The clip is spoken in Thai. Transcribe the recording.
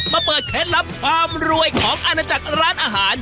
เปิดเคล็ดลับความรวยของอาณาจักรร้านอาหาร